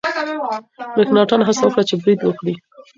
مکناتن هڅه وکړه چې برید وکړي.